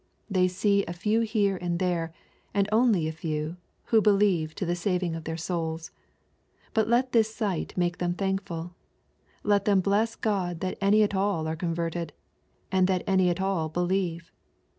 They see a few here and there, and only a few, who believe to the saving of their souls. But let this sight make them thankful Let them bless God that any at all are converted, and that any at all believe.